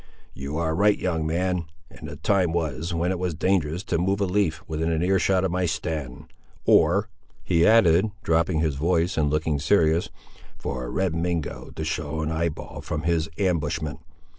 You are right, young man; and the time was, when it was dangerous to move a leaf within ear shot of my stand; or," he added, dropping his voice, and looking serious, "for a Red Mingo to show an eyeball from his ambushment.